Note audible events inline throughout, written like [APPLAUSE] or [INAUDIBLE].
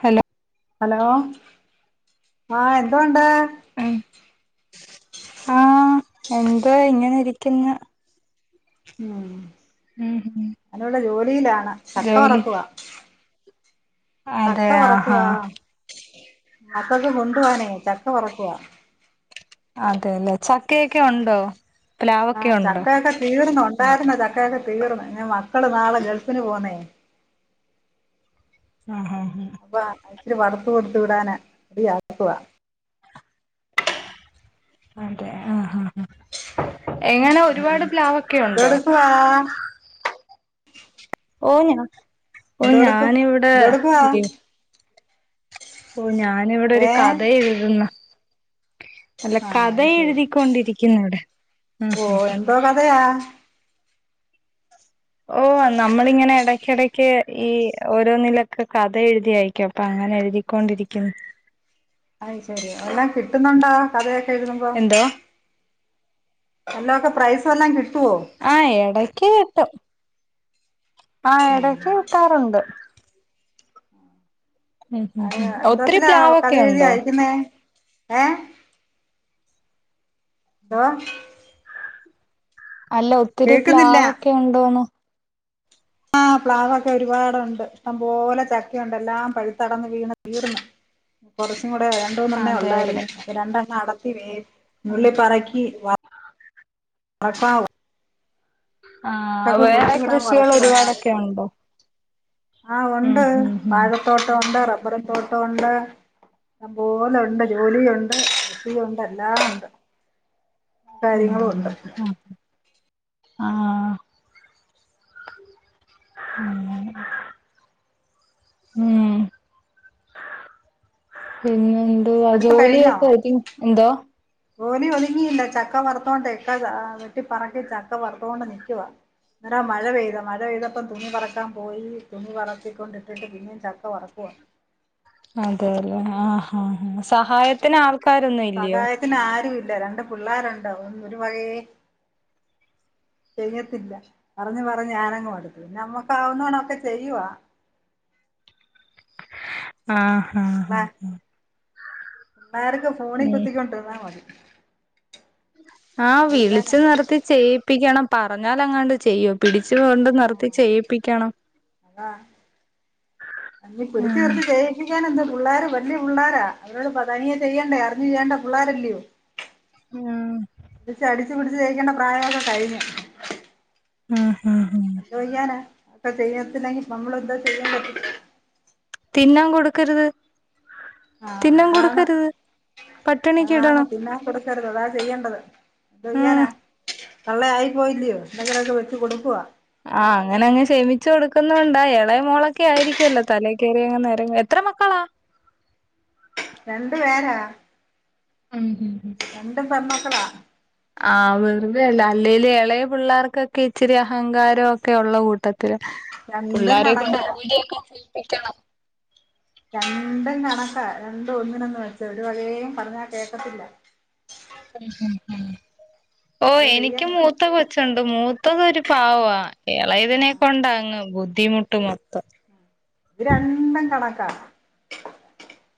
Hello hello. ആ. എന്തോണ്ട്. ഉം ആഹ്. എന്ത്. ഇങ്ങനെ ഇരിക്ക്ന്ന്. ഉം ഉം ഉം ഞാന്വ്ടെ ജോലിയിലാണ്. ചക്ക ജോലി വറക്കുവാ. ചക്ക അതെ ആഹാ വറക്കുവാ. മക്കൾക്ക് കൊണ്ടുവാനേ ചക്ക വറക്കുവാ. അതെലെ. ചക്ക്യക്കെ ഉണ്ടോ? പ്ലാവൊക്കെ ഉണ്ടോ? ഒക്കെ തീർന്നൊ. ഉണ്ടായിര്ന്നു. ചക്കൊക്കെ തീർന്ന്. ഇഞ് മക്കള് നാളെ ഗൾഫിന് പോവുന്നേ. ഉം. ഉം. ഉം. അപ്പ ഇച്ചിരി വർത്ത്‌ കൊടുത്ത്‌ വിടാന. [UNINTELLIGIBLE] അടിക്കവാ അതെ. ആ ആ. എങ്ങനെ ഒരുപാട് പ്ലാവൊക്കെയുണ്ടോ. ആഹ്. ഓഹ്. ഓഹ് എന്തെടുക്കു ഞാനിവിടെ എന്തെടുക്കുവാ [UNINTELLIGIBLE] ഓ ഞാനിവിടെ ഒരു ഏഹ് കഥ എഴുതുന്നു. അല്ല ആഹ് കഥ അത് ശരി എഴുതിക്കൊണ്ടിരിക്കേനു ഇവിടെ ഉം. ഉം. ഉം ആഹ് ഓ നമ്മളിങ്ങനെ എടയ്ക്കെടക്ക് ഈ ഓരോന്നിലൊക്കെ കഥ എഴുതി അയക്കും. അപ്പൊ അങ്ങനെ എഴുതി. കോണ്ടിരിക്കുന്നു. അയ്ശെരി എല്ലാം കിട്ട്ന്നൊണ്ടോ കഥയൊക്കെ എഴ്തുമ്പം. എന്തോ വെല്ലോക്ക പ്രൈസ്വെല്ലാം കിട്ടോ. ആഹ് എടക്ക് കിട്ടും. ആഹ് എടക്ക് കിട്ടാറൊണ്ട്. ഉം. ഉം. ഉം ങേ ഒത്തിരി എന്തോത്തില കഥ പ്ലാവൊക്കെ എഴുതി ഉണ്ടോ അയക്കുന്നെ. ഏഹ്. ഓഹ് അല്ല ഒത്തിരി കേക്കുന്നില്ല പ്ലാവൊക്കെ ഉണ്ടൂന്ന്. ആഹ് പ്ലാവൊക്കെ ഒരുപാടൊണ്ട്. ഇഷ്ടം പോലെ ചക്കയുണ്ട്. എല്ലാം പഴുത്തടർന്ന് വീണ് തീർന്നു. കൊറച്ചും കൂടെ രണ്ടൂന്നെണ്ണേ അതെല്ലേ ഉള്ളാര്ന്ന്. അപ്പ രണ്ടെണ്ണം അടത്തി വീ നുള്ളി പറക്കി വ റക്കാവ്. ആ മക്കക്ക് വേറെ കൊട്ത്ത് വിടാം കൃഷികൾ വറക്കുവ. ഒരുപാടൊക്കെ ഉണ്ടോ ആഹ് ഉം ഉണ്ട് ഉം ഉം പാകം തോട്ടൊ ഒണ്ട്. റബ്ബറും തോട്ടൊ ഒണ്ട്. ഇഷ്ടം പോലൊ ഒണ്ട്. ജോലി ഉണ്ട്. കൃഷി ഉണ്ട്. എല്ലാ ഉണ്ട്. കാര്യങ്ങളു ഉണ്ട്. ആഹ് ഉം ഉം. പിന്നെയു ഇല്ല. പഠിത്തം കഴിഞ്ഞോ ജോലിയൊക്കെ [UNINTELLIGIBLE] എന്തോ ജോലി ഒതുങ്ങിയില്ല. ചക്ക വറുത്തോണ്ടേക്ക ചാ വെട്ടിപ്പറക്കി ചക്ക വറുത്തോണ്ട് നിക്കുവാ. ഇന്നലെ ആ മഴ പെയ്ത്. മഴ പെയ്തപ്പം തുണി പറക്കാം പോയി. തുണി പറക്കിക്കൊണ്ടിട്ടിട്ട് പി പിന്നെം ചക്ക വറക്കുവാ. അതെലെ. ആഹ്. ഹാ ഹ. സഹായത്തിന് ആൾക്കാരൊന്നു ഇല്യാെ. ത്തിന് ആരു ഇല്ല. രണ്ട് പിള്ളാരുണ്ട് ഒ ഒര് വയേ ചെയ്യത്തില്ല. പറഞ്ഞ് പറഞ്ഞ് ഞാനങ്ങ് മടുത്ത്. നമ്മക്കാവുന്നോണൊക്കെ ചെയ്യുവ. ആഹ് ആഹ് ള്ളാർക്ക് ഫോണി ഉം കുത്തിക്കോണ്ട്ര്ന്നാ മതി ആഹ് ചെയ്യാനാ വിളിച്ച്‌ നിർത്തി ചെയ്യിപ്പിക്കണം പറഞ്ഞാലങ്ങാണ്ട് ചെയ്യും പിടിച്ച്‌ കൊണ്ട് നിർത്തി ചെയ്യിപ്പിക്കണം ആഹ് ഇ പിടിച്ച് ആഹ് നിർത്തി ചെയ് പിക്കാനെന്ത് പുള്ളാര് വല്ല്യ പുള്ളാരാ അവരോട് പ തനിയ ചെയ്യണ്ടയ അറിഞ്ഞു ചെയ്യണ്ട പുള്ളാരല്ലിയോ ഉം പിടിച്ച് അടിച്ച് പിടിച്ച് ചെയ്ക്കണ്ട പ്രായൊക്ക കഴിഞ്ഞ്. ആഹ് ആഹ് എന്തോയ്യാന ഇപ്പ ചെയ്യത്തിലെങ്കി ഇപ്പ അമ്മള് എന്താ ചെയ്യാം പറ്റും തിന്നാം കൊട്ക്കരുത് ആ തിന്നാം അതാണ് കൊട്ക്കരുത് പട്ടിണിക്ക് ഇടണം ഇത്തറകള ചെയ്യണ്ടത് എന്തോയ്യാന ആഹ് തള്ളെ ആയി പോയില്ലിയോ എന്തെങ്കിലൊക്ക വെച്ച് കൊട്ക്കുവ ആഹ് അങ്ങന അങ്ങ് ക്ഷമിച്ചു കൊട്ക്കുന്നോണ്ടാ എളയ മോളക്കെ ആയിരിക്കുവല്ലോ തലെക്കെറി അങ്ങ് നേരങ്ങ് എത്ര മക്കളാ രണ്ട് പേരാ ഉം ഉം രണ്ടും പെമ്മക്കള ആഹ് വെറുതെ അല്ല അല്ലേല് എളയ പിള്ളാർക്കെക്കെ ഇച്ചിരി അഹങ്കാര ഒക്കെ ഒള്ള കൂട്ട ത്തില രണ്ടും പുള്ളാരെ കൊണ്ട് കണക്കാ ജോലിയെക്ക ചെയ്പ്പിക്കണം രണ്ടും കണക്കാ രണ്ടു ഒന്നിനന്ന് മെച്ച ഒരുവകേം പറഞ്ഞാ കേക്കത്തില്ല ഉം ഉം ഓ എന്തോ എനിക്കും ചെയ്യാനാ മൂത്ത കൊച്ചൊണ്ട് മൂത്തതൊര് പാവ എളെതിനെ ആഹ് കൊണ്ടാങ്ങ് ബുദ്ധിമുട്ട് മൊത്തം ഇത് രണ്ടും കണക്കാ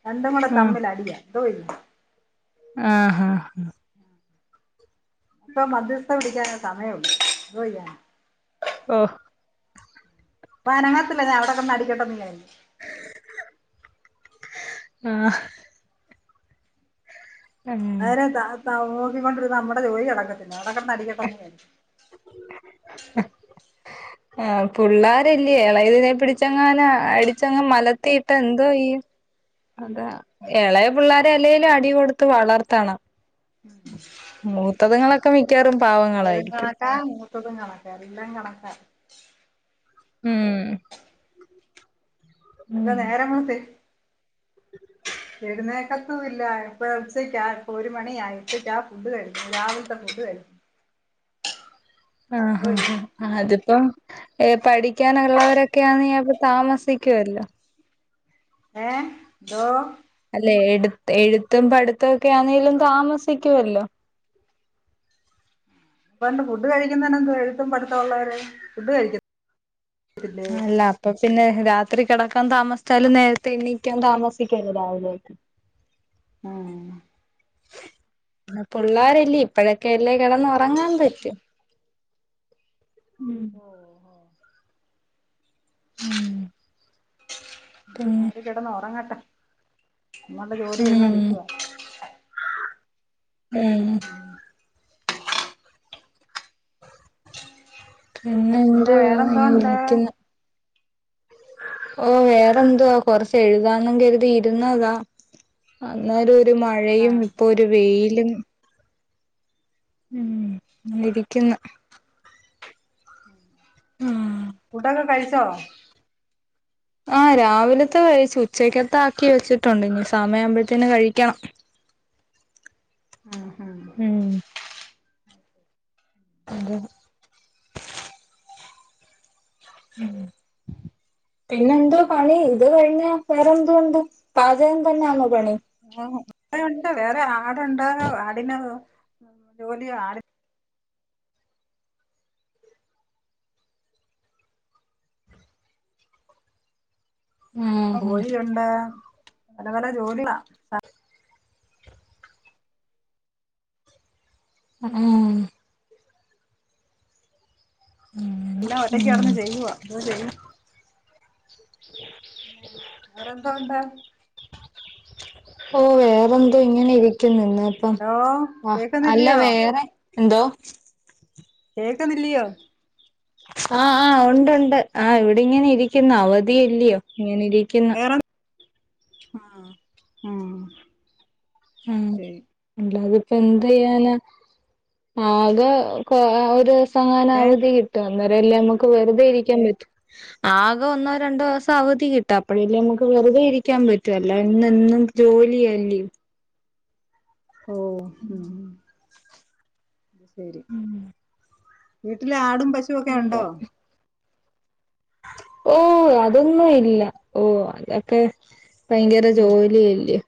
രണ്ടും കുട ഉം തമ്മിലടിയാ. ടോയി ആഹ് പ്പൊ മധ്യസ്ഥം പിടിക്കാന സമയള്ളു എന്തോയ്യാനാ ഓഹ് പനങ്ങത്തില അവിടെക്കെ കിടന്ന് അടിക്കട്ടന്ന ആഹ് ഉം നേരെ നോക്കിക്കൊണ്ടിരുന്ന നമ്മുടെ ജോലി അടക്കത്തില്ല അടകിടന്നടിക്കട്ടന്ന ആഹ് പിള്ളാരല്ലേ ഇളെതിനെ പിടിച്ചങ്ങന അടിച്ചങ്ങ മലത്തി ഇട്ട എന്തോയ്യും? അതാ ഇളയ പിള്ളോര അല്ലേലും അടി കൊടുത്ത് വളർത്തണം. മൂത്തതങ്ങളൊക്കെ മിക്കാറും പാവങ്ങളായിരിക്കും. എല്ലാ മൂത്തതുങ്ങളും കണക്കന്നെ ഇല്ലാം കണക്കാ. ഉം അതാ ഉം നേരങ്ങ എഴുന്നേക്കത്തുല്ല ഇപ്പോഴ ഉച്ചയ്ക്ക ഇപ്പ ഒരു മണി ആയി ഉച്ചക്ക ഫുഡ് കഴിക്കുന്നത് രാവിലത്തെ ഫുഡ് കഴിക്കും. എന്തോ ആഹ് ചെയ്യും ആഹ് അതിപ്പം പഠിക്കാനുള്ളവരൊക്കെയാന്ന് താമസിക്കുവല്ലോ? ഏഹ് ന്തോ അല്ലെ എട്ത്ത് എഴുത്തും പഠിത്തക്കെ ആണെലും താമസിക്കുവല്ലോ? അപ്പണ്ട് ഫുഡ് കഴിക്കുന്നണ്ട് എഴുത്തും പഠത്തുള്ളവര് ഫുഡ്കഴിക്ക ആല്ല അപ്പൊ പിന്നെ രാത്രി കിടക്കാൻ താമസിച്ചാലും നേരത്തെ എണ്ണീക്കാൻ താമസിക്കല്ലോ രാവില ഉം പിള്ളാരല്ലേ ഇപ്പഴൊക്കെ അല്ലേ കിടന്ന് ഉറങ്ങാൻ പറ്റ. ഉം ഓ ഉം എന്നാ പിന്നെ അവര് കിടന്ന് ഉറങ്ങട്ടെ നമ്മടെ ജോലി ഉം ചെയ്തൊണ്ടിരിക്കവാ. ഉം പിന്നെ എന്ത് വേറെന്തോ ചെയ്യുന്നു ഉണ്ട് വിളിക്കുന്ന ഓഹ് വേറെതുവാ കൊറച്ച് എഴുതാന്ന കരുതി ഇരുന്നതാ. അന്നരം ഒരു ആ മഴയും ഇപ്പൊ ഒരു വെയിലും. ഉം എഴുതിട്ടില്ല ഉം ആഹ് ഫുടൊക്കെ കഴിച്ചോ? ആഹ് രാവിലത്തെ കഴിച്ചു ഉച്ചക്കത്തക്കി വെച്ചിട്ടുണ്ട് ഇനി സമയ ആവുമ്പോത്തേന് കഴിക്കണം. ആഹ് ആഹ് ഉം അതെ ഉം പിന്നെ എന്തോ പണി ഇത് കഴിഞ്ഞ വേറെന്ത എന്ത പാചകം തന്നണോ പണി? ണ്ട് വേറെ ആടുണ്ട ആടന് ജോലി ആട ആഹ് കോഴിയുണ്ട് പല പല ജോലികള ഏഹ് ഉം എല്ലാം ഒറ്റയ്ക്കടന്ന് ചെയ്യുവ എന്തോ ചെയ്യ വേറെന്താണ്ടാ? ഓഹ് വേറെന്തോ ഇങ്ങനെ ഇരിക്കുന്ന് ന്ന് പ്പം ഹലോ ആഹ് അല്ല കേക്കുന്നില്ലയോ വേറെ എന്തോ കേക്കുന്നില്ലിയോ ആഹ് ആഹ് ഒണ്ട് ഒണ്ട് ആഹ് ഇവിടിങ്ങനെ ഇരിക്കുന്നു അവധിയല്ലിയോ ഇങ്ങനെ ഇരി - വേറെ ആഹ് ഉം ഉം ശരി അല്ലാതിപ്പോ എന്ത് ചെയ്യാന ആകെ കൊ ഓഹ് ഒരു ദിവസ - ങ്ങാനും ഏ അവധി കിട്ടും അന്നരേ അല്ലേ നമുക്ക് വെറുതെ ഇരിക്കാൻ പറ്റും ആകെ ഒന്നോ രണ്ടോസം അവധി കിട്ടു അപ്പഴല്ലേ നമുക്ക് വെറുതെ ഇരിക്കാൻ പറ്റൂ എല്ല ഇന്ന് എന്ന് ജോലി അല്ലിയോ ഓഹ് ഉം ശരി വീട്ടിലാടും പശുവൊക്കെ എന്താ ഒണ്ടോ ഓഹ് അതൊന്നും ഇല്ല ഓഹ് അതൊക്കെ ഭയങ്കര ഉം ജോലി അല്ലിയോ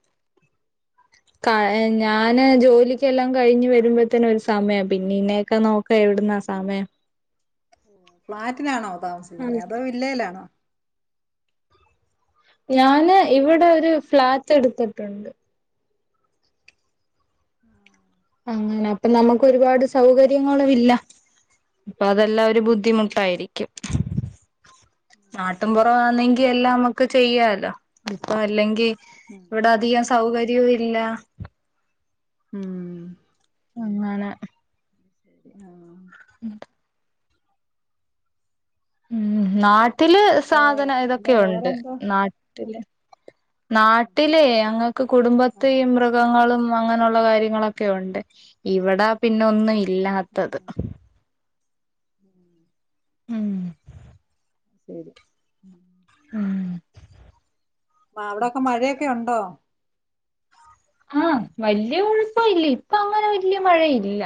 കയിന് ഞാന് ജോലി എല്ലാം കയിഞ്ഞ് വരുമ്പോത്തേന് ഒരു സമയം ആവും. പിന്നെ ഇന്നെയൊക്കെ നോക്കാ എവിടുന്നാ സമയം. ഓഹ് ഫ്ളാറ്റിനാണോ താമസിക്കുന്നെ? അതോ വില്ലേലാണോ? ഞാന് ഇവിടൊരു ഫ്ളാറ്റ് എടുത്ത്ട്ടുണ്ട്. ആഹ് അങ്ങനെ അപ്പൊ നമുക്ക് ഒരുപാട് സൗകര്യങ്ങളും ഇല്ല. അപ്പൊ അതെല്ലാ ഒരു ബുദ്ധിമുട്ടായിരിക്കും. നാട്ട്പ്പുറവാന്നെങ്കി എല്ലാം അമ്മക്ക് ചെയ്യാലോ ഇപ്പ അല്ലെങ്കി ഉും ഇവിടഅധികം സൗകര്യവും ഇല്ല ഉും അങ്ങനെ ആഹ് [INAUDIBLE] ഉം നാട്ടില് പിന്നെ സാധന പിന്നെ ഇതൊക്കെയൊണ്ട് വേറെന്താ നാട്ടില് നാട്ടിലേ അങ്ങക്ക് കുടുംബത്തെയും ആഹ് മൃ- കഗങ്ങളും അങ്ങനൊള്ള കാര്യങ്ങളൊക്കെ ഒണ്ട്. ഇവിടാ പിന്നഒന്നും ഇല്ലാത്തത് ഉം ഹ് [UNINTELLIGIBLE] ഉും ശെരി ഉും ആഹ് അവിടൊക്കെ മഴയൊക്കെ ഒണ്ടോ? ആഹ് വല്ല്യ കൊഴപ്പല്ല്യ ഇപ്പഅങ്ങനെ വല്ല്യ മഴയില്ല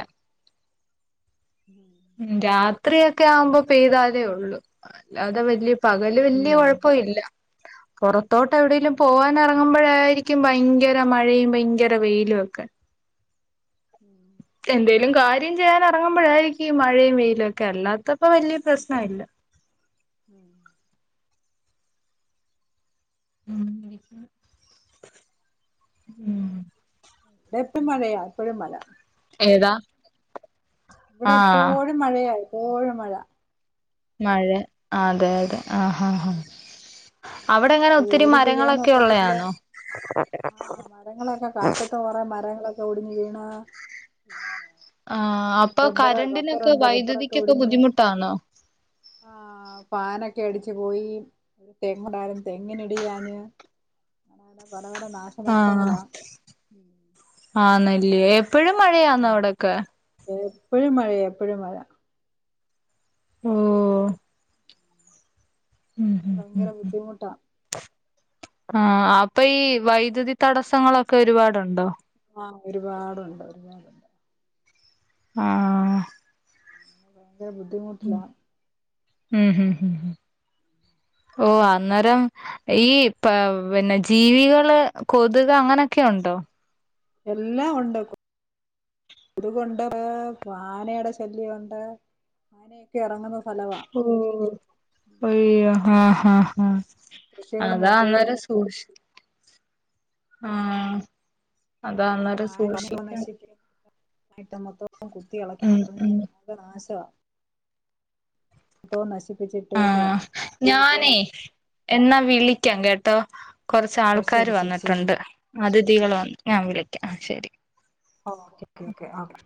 [UNINTELLIGIBLE] ഉും രാത്രിയൊക്കെ ആവുമ്പോ പെയ്താലേ ഒള്ളൂ അല്ലാതെ വല്ല്യ പകല് വല്ല്യ ഉം കൊഴപ്പുല്ല്യ പുറത്തോട്ട് എവിടേലും പോവാൻ നെറങ്ങുമ്പോഴായിരിക്കും ഭയങ്കര മഴയും ഭയങ്കര വെയിലും ഒക്കെ [UNINTELLIGIBLE] എന്തേലും കാര്യം ചെയ്യാനെറങ്ങുമ്പോഴായിരിക്കും ഈ മഴയും വെയിലൊക്കെ അല്ലാത്തപ്പോ വല്ല്യ പ്രശ്നം ഇല്ല ഉും [UNINTELLIGIBLE] ഉും എപ്പം മഴയാ എപ്പഴും മഴ ഏതാ ഇവിടെ ആഹ് എപ്പോഴും മഴയാ എപ്പോഴും മഴ മഴ അതെ അതെ ആഹ് ഹ ഹ ജോലി മരങ്ങളൊക്കെ ചെയ്യാനോഒക്കത്തില്ല ഉള്ളയാണോ ആഹ് മരങ്ങളൊക്കെ കാറ്റത്തോ ആഹ് മരങ്ങളൊക്കെ ഒടിഞ്ഞ് വിണ് സുഖല്ലേ? ആഹ് അപ്പൊ കരണ്ടിനൊക്കെ റബ്ബറൊക്കെ വൈദ്യുതിക്കൊക്കെ ബുദ്ധിമുട്ടാണോ? ആഹ് ആഹ് ഫാനൊക്കെ അടിച്ചു പോയി ഒരു തെങ്ങുണ്ടായിരുന്നു തെങ്ങിന് ഇടിയാഞ്ഞ്. [UNINTELLIGIBLE] ആഹ് ആന്നല്ലേ എപ്പഴും മഴയാന്നോ അവിടൊക്കെ? എപ്പോഴും മഴ എപ്പോഴും മഴ. ഹും ഭയങ്ക ബുദ്ധിമുട്ടാണ് ആഹ അപ്പൊ ഈ വൈദ്യുതി തടസങ്ങളൊക്കെ ഒരുപാടുണ്ടോ ആഹ് ഒരുപാടുണ്ട് ആഹ് അങ്ങനെ ഭയങ്കര ബുദ്ധിമുട്ടിലാ ഉം ഉം ഉം ഓഹ് അന്നേരം ഈ പ പിന്നെ ജീവികള് കൊതുക് അങ്ങനൊക്കെ ഉണ്ടോ എല്ലാം ഒണ്ടാകും കൊതുകുണ്ട് ആനേടെ ശല്യം ഒണ്ട് അങ്ങനെയൊക്കെ ഇറങ്ങുന്ന സ്ഥലവാ ഓഹ് അയ്യോ ആഹ ഹാ കൃഷികൾ അതാ മൊത്തവും അന്നേരം സൂക്ഷി ആഹ് അതാന്ന് [UNINTELLIGIBLE] മൊത്തം കുത്തി എളക്കി ഉം ഉം നാശവാ എന്തോ നശിപ്പിച്ചിട്ടേക്ക ആഹ് ഞാനേ എന്നാ വിളിക്കാം കേട്ടോ കൊറച്ച് ഓ ആൾക്കാര് ശരി ശരി ശരി വന്നിട്ടുണ്ട് അതിഥികകൾ വന്ന് ഞാൻ വിളിക്കാം ആഹ് ശരി ഓകെ ഓകെ ഓകെ